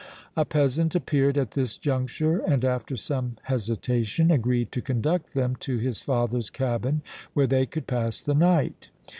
A peasant appeared at this juncture and, after some hesitation, agreed to conduct them to his father's cabin where they could pass the night.